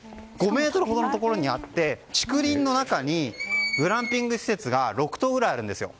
５ｍほどのところにあって竹林の中にグランピング施設が６棟ぐらいあるんですよ。